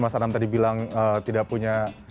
mas anam tadi bilang tidak punya